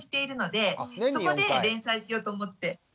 そこで連載しようと思って。